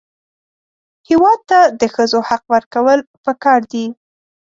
هېواد ته د ښځو حق ورکول پکار دي